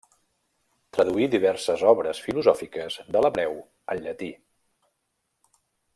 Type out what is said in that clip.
Traduí diverses obres filosòfiques de l’hebreu al llatí.